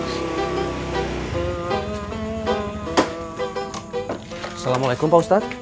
assalamualaikum pak ustadz